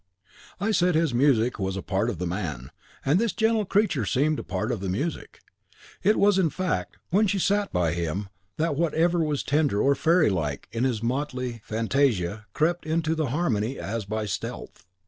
I said his music was a part of the man, and this gentle creature seemed a part of the music; it was, in fact, when she sat beside him that whatever was tender or fairy like in his motley fantasia crept into the harmony as by stealth.